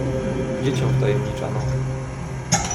"Gdzie cię wtajemniczano?"